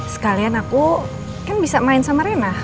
sekalian aku kan bisa main sama rena